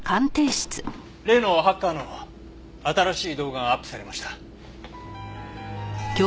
例のハッカーの新しい動画がアップされました。